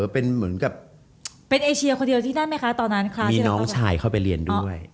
เป็นเหมือนกับเป็นเอเชียคนเดียวที่นั่นไหมคะตอนนั้นครับมีน้องชายเข้าไปเรียนด้วย